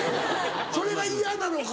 それが嫌なのか？